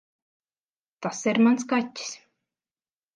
Tas ir mans kaķis.